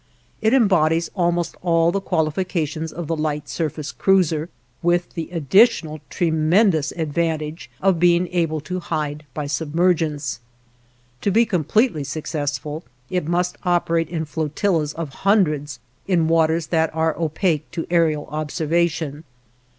It embodies almost all the qualifications of the light surface cruiser, with the additional tremendous advantage of being able to hide by submergence. To be completely successful, it must operate in flotillas of hundreds in waters that are opaque to aërial observation.